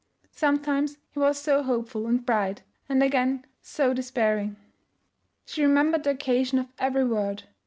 Sometimes he was so hopeful and bright, and again so despairing. She remembered the occasion of every word.